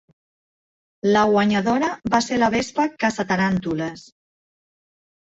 La guanyadora va ser la vespa caça-taràntules.